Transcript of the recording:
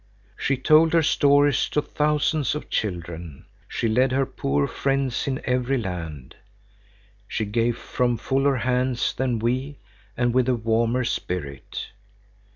She told her stories to thousands of children. She lead her poor friends in every land. She gave from fuller hands than we and with a warmer spirit.